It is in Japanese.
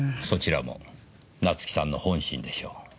そちらも夏生さんの本心でしょう。